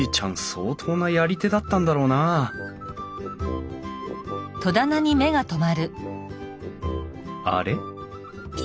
相当なやり手だったんだろうなああれ？